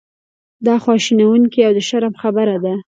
دا خواشینونکې او د شرم خبره ده.